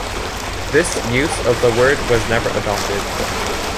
This use of the word was never adopted.